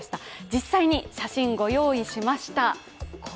実際に写真をご用意しました。